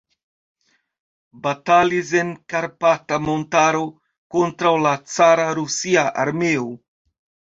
Batalis en Karpata montaro kontraŭ la cara rusia armeo.